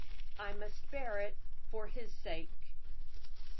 "I MUST BEAR IT FOR HIS SAKE."